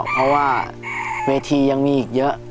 เพราะว่าเวทียังมีอีกเยอะ